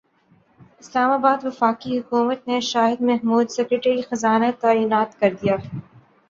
اسلام اباد وفاقی حکومت نے شاہد محمود سیکریٹری خزانہ تعینات کردیا